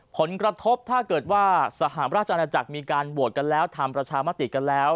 ผลกระทบถ้าเกิดว่าสหราชอาณาจักรมีการโหวตกันแล้วทำประชามติกันแล้ว